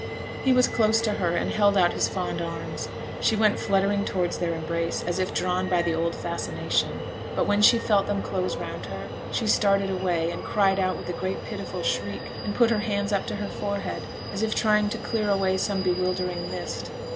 He was close to her and held out his fond arms; she went fluttering towards their embrace, as if drawn by the old fascination; but when she felt them close round her, she started away, and cried out with a great pitiful shriek, and put her hands up to her forehead as if trying to clear away some bewildering mist.